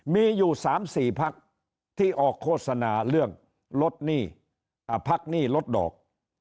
มีอยู่๓๔พักที่ออกโฆษณาเรื่องลดหนี้พักหนี้ลดดอก